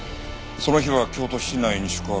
その日は京都市内に宿泊。